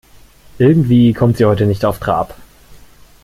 Irgendwie kommt sie heute nicht auf Trab.